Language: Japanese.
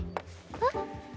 えっ？